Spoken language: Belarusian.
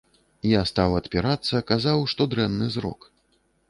Я стаў адпірацца, казаў, што дрэнны зрок.